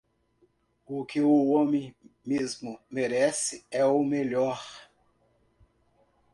O que o homem mesmo merece é o melhor.